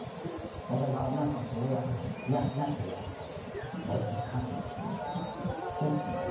「俺がお前たち親子を養ってやってる」「俺に感謝しろ」っていつも言って。